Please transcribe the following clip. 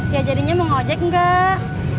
ya jadinya mau ngeojek gak